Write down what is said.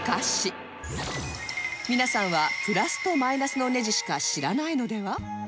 皆さんはプラスとマイナスのネジしか知らないのでは？